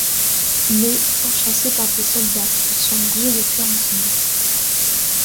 Mais, pourchassés par des soldats, ils sont obligés de fuir ensemble.